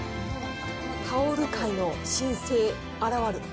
タオル界の新星現る！